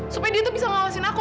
supaya dia tuh bisa ngawasin aku